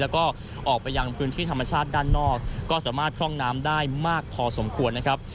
แล้วก็ออกไปยังพื้นที่ธรรมชาติด้านนอกก็สามารถพร่องน้ำได้มากพอสมควรนะครับ